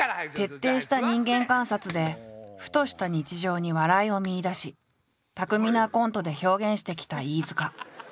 徹底した人間観察でふとした日常に笑いを見いだし巧みなコントで表現してきた飯塚。